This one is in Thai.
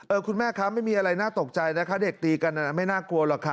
คุณแม่คะไม่มีอะไรน่าตกใจนะคะเด็กตีกันไม่น่ากลัวหรอกค่ะ